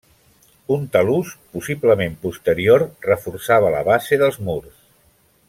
Un talús, possiblement posterior, reforçava la base dels murs.